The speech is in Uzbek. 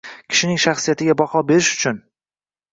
Kishining shaxsiyatiga baho berish uchun